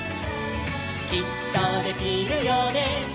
「きっとできるよね」